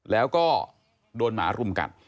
แล้วก็โดนหมารุมกัด